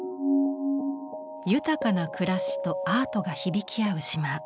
豊かな暮らしとアートが響き合う島。